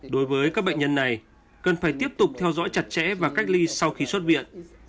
đối với các bệnh nhân này cần phải tiếp tục theo dõi chặt chẽ và cách ly sau khi xuất viện